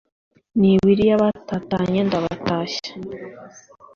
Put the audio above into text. n ibiri y abatatanye ndabatashya